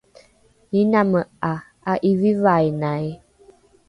iname ’a a’ivivainai